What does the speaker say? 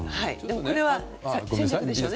これは戦略でしょうね。